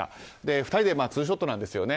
２人でツーショットなんですよね。